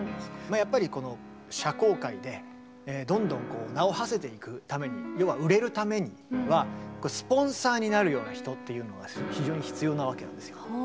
やっぱりこの社交界でどんどん名をはせていくために要は売れるためにはスポンサーになるような人っていうのが非常に必要なわけなんですよ。